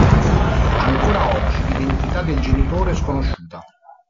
Ancora oggi, l'identità del genitore è sconosciuta.